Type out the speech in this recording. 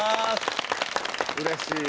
うれしい！